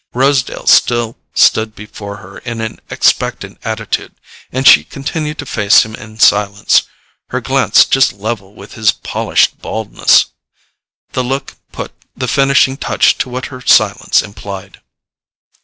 Rosedale still stood before her in an expectant attitude, and she continued to face him in silence, her glance just level with his polished baldness. The look put the finishing touch to what her silence implied.